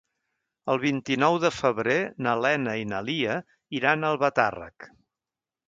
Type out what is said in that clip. El vint-i-nou de febrer na Lena i na Lia iran a Albatàrrec.